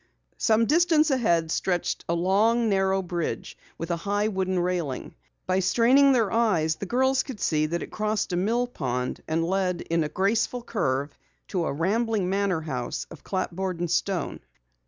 Some distance ahead stretched a long, narrow bridge with a high wooden railing. By straining their eyes the girls could see that it crossed a mill pond and led in a graceful curve to a rambling manor house of clapboard and stone.